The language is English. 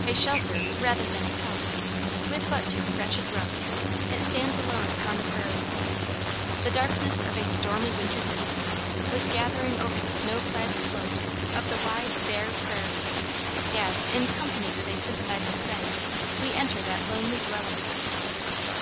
A shelter rather than a house, with but two wretched rooms, it stands alone upon the prairie. The darkness of a stormy winter's evening was gathering over the snow clad slopes of the wide, bare prairie, as, in company with a sympathizing friend, we enter that lonely dwelling.